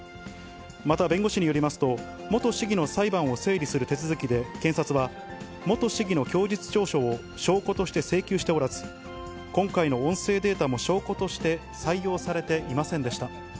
また弁護士によりますと、元市議の裁判を整理する手続きで検察は、元市議の供述調書を証拠として請求しておらず、今回の音声データも証拠として採用されていませんでした。